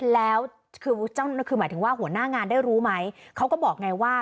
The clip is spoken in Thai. แล้วคือหมายถึงว่าหัวหน้างานได้รู้ไหมเขาก็บอกไงว่า